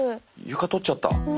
床取っちゃった。